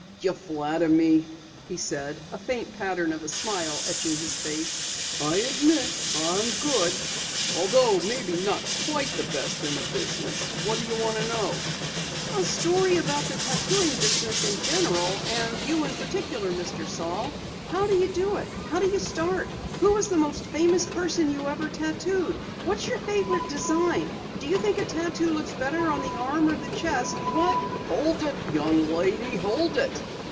"You flatter me," he said, a faint pattern of a smile etching his face. "I admit I'm good, although maybe not quite the best in the business. What do you want to know?" "A story about the tattooing business in general and you in particular, Mr. Saal. How do you do it? How did you start? Who was the most famous person you ever tattooed? What is your favorite design? Do you think a tattoo looks better on the arm or the chest? What ?" "Hold it, young lady, hold it.